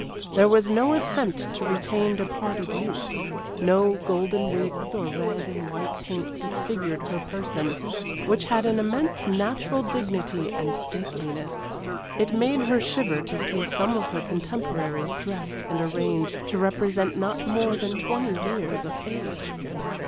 There was no attempt to retain departed youth; no golden wigs or red and white paint disfigured her person, which had an immense natural dignity and stateliness. It made her shiver to see some of her contemporaries dressed and arranged to represent not more than twenty years of age.